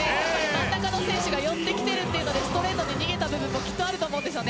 真ん中の選手が寄ってきているというのでストレートに逃げた部分もきっとあると思います。